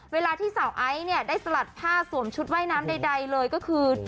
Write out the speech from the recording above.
เวลาที่สาวไอซ์เนี่ยได้สลัดผ้าสวมชุดว่ายน้ำใดเลยก็คือ